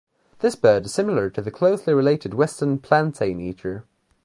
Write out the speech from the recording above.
This bird is similar to the closely related western plantain-eater.